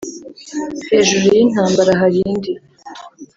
hejuru y'intambara harindi